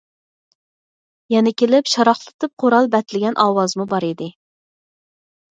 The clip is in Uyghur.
يەنە كېلىپ شاراقلىتىپ قورال بەتلىگەن ئاۋازمۇ بار ئىدى.